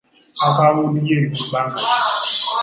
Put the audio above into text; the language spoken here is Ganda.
Akaawunti yo eri mu banka ki?